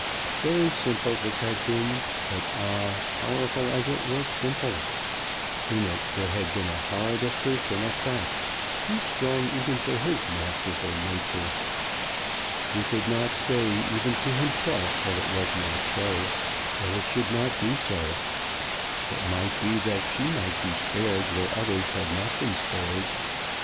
Very simple, this had been; but, ah, powerful as it was simple! In it there had been a hard assertion of facts too strong even for his masterful nature. He could not say, even to himself, that it was not so, that it should not be so. It might be that she might be spared where others had not been spared.